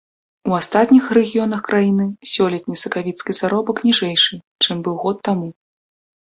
У астатніх рэгіёнах краіны сёлетні сакавіцкі заробак ніжэйшы, чым быў год таму.